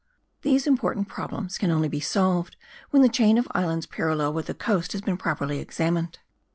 These important problems can only be solved when the chain of islands parallel with the coast has been properly examined.